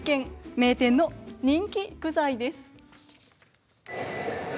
名店の人気具材です。